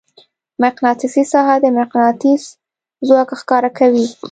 مقناطیسي ساحه د مقناطیس ځواک ښکاره کوي.